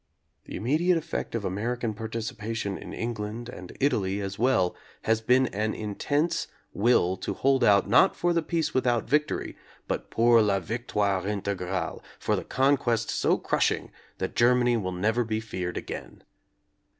The im mediate effect of American participation in Eng land and Italy as well has been an intense will to hold out not for the "peace without victory" but pour la victoire integrate, for the conquest so crushing that Germany will never be feared again.